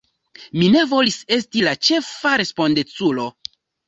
Mi ne volis esti la ĉefa respondeculo.